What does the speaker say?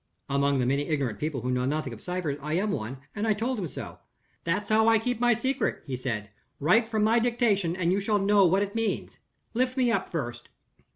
Among the many ignorant people who know nothing of ciphers, I am one and I told him so. 'That's how I keep my secret,' he said; 'write from my dictation, and you shall know what it means. Lift me up first.